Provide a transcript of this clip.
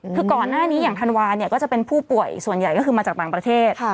คือก่อนหน้านี้อย่างธันวาเนี่ยก็จะเป็นผู้ป่วยส่วนใหญ่ก็คือมาจากต่างประเทศ